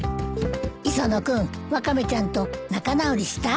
磯野君ワカメちゃんと仲直りした？